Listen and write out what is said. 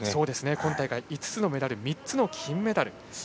今大会５つのメダル３つの金メダル。